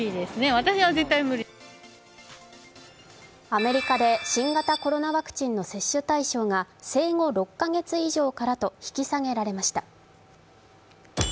アメリカで新型コロナワクチンの接種対象が生後６カ月以上からと引き下げられました。